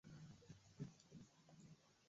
Nchi hizo si sehemu za Umoja wa Ulaya.